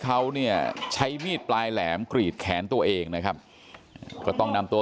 เขาเนี่ยใช้มีดปลายแหลมกรีดแขนตัวเองนะครับก็ต้องนำตัว